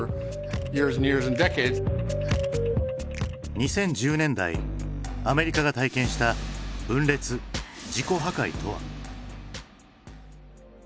２０１０年代アメリカが体験した分裂自己破壊とは？